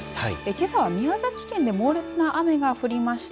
けさは宮崎県で猛烈な雨が降りました。